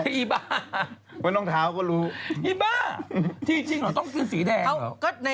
เหมือนดหน้าท้าวก็รู้ที่จริงหรือต้องขึ้นสีแดงหรืออะไร